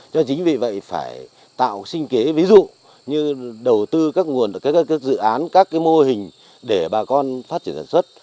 cho chính vì vậy phải tạo sinh kế ví dụ như đầu tư các nguồn dự án các mô hình để bà con phát triển sản xuất